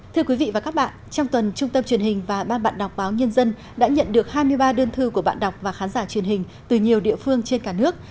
thưa quý vị và các bạn trong tuần trung tâm truyền hình và ban bạn đọc báo nhân dân đã nhận được hai mươi ba đơn thư của bạn đọc và khán giả truyền hình từ nhiều địa phương trên cả nước